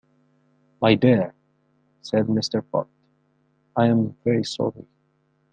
‘My dear,’ said Mr. Pott, ‘I’m very sorry'.